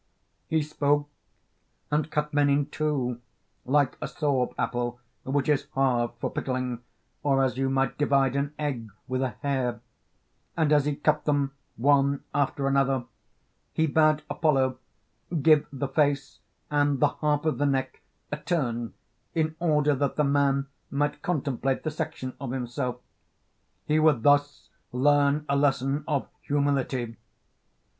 He spoke and cut men in two, like a sorb apple which is halved for pickling, or as you might divide an egg with a hair; and as he cut them one after another, he bade Apollo give the face and the half of the neck a turn in order that the man might contemplate the section of himself: he would thus learn a lesson of humility.